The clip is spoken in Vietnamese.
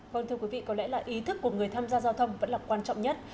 vâng thưa quý vị có lẽ là ý thức của người tham gia giao thông vẫn là quan trọng nhất